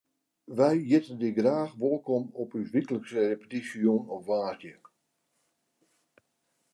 Wy hjitte dy graach wolkom op ús wyklikse repetysjejûn op woansdei.